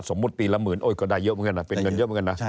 สมมุติปีละหมื่นก็ได้เยอะเหมือนกันนะ